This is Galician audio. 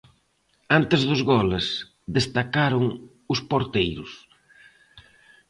Antes dos goles, destacaron os porteiros.